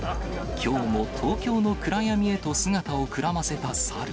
きょうも東京の暗闇へと姿をくらませた猿。